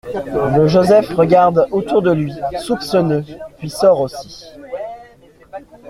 Le Joseph regarde autour de lui, soupçonneux, puis sort aussi.